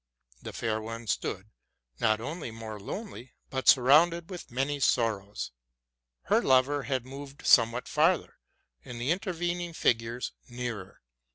The fair one stood, not only more lonely, but surrounded with many sorrows. Her lover had moved somewhat farther, and the intervening figures nearer.